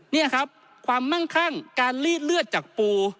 นี่ครับความมั่งคั่งการลีดเลือดจากปู